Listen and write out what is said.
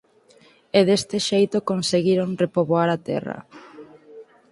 E deste xeito conseguiron repoboar a terra.